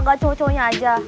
gak cocoknya aja